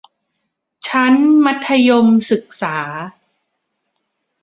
ชั้นมัธยมศึกษา